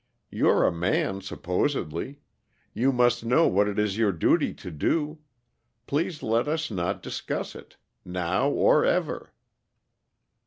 You're a man, supposedly. You must know what it is your duty to do. Please let us not discuss it now or ever.